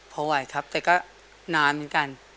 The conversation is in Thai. พอไหวครับแต่ก็นานเหมือนกัน